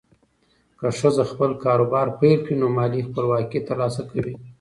که ښځه خپل کاروبار پیل کړي، نو مالي خپلواکي ترلاسه کوي.